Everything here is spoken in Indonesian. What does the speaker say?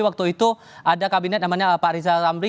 waktu itu ada kabinet namanya pak rizal ramli